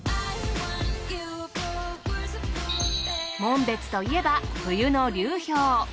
紋別といえば冬の流氷。